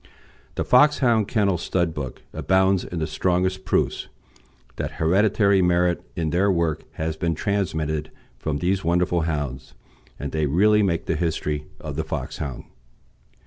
The Foxhound Kennel Stud Book abounds in the strongest proofs that hereditary merit in their work has been transmitted from these wonderful hounds, and they really make the history of the Foxhound.